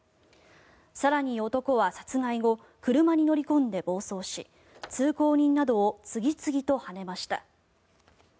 更に男は殺害後車に乗り込んで暴走し通行人などを次々とはねました。